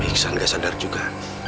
iksan gak sadar juga